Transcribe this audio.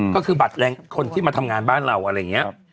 ก็คือบัตรแรงคนที่มาทำงานบ้านเราอะไรอย่างนี้